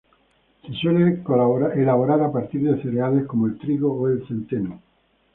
Se suele elaborar a partir de cereales como el trigo o el centeno.